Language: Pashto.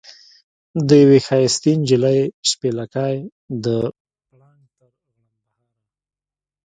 د یوې ښایستې نجلۍ شپېلکی د پړانګ تر غړمبهاره.